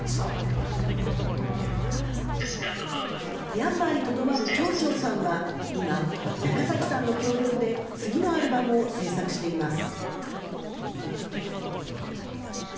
ミャンマーにとどまるチョーチョーさんは、今、高崎さんの協力で次のアルバムを制作しています。